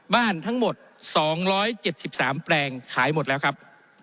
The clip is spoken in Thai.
บ้านทั้งหมดสองร้อยเจ็ดสิบสามแปลงขายหมดแล้วครับ